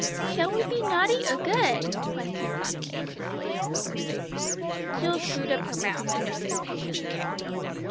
"Shall we be naughty or good?" questioned Bumps anxiously. Jill screwed up her mouth and nose impatiently.